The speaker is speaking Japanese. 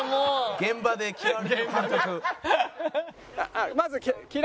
現場で嫌われる監督。